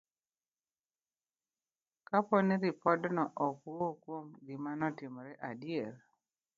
Kapo ni ripodno ok wuo kuom gima notimore adier,